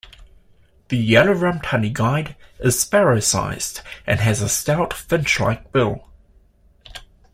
The yellow-rumped honeyguide is sparrow sized and has a stout finch-like bill.